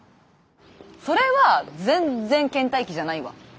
それは全然けん怠期じゃないわ。